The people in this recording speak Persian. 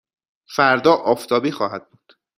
فردا آفتابی خواهد بود.